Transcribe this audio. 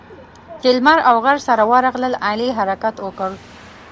چې لمر او غر سره ورغلل؛ علي حرکت وکړ.